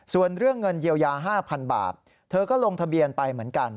ส่วนเรื่องเงินเยียวยา๕๐๐๐บาทเธอก็ลงทะเบียนไปเหมือนกัน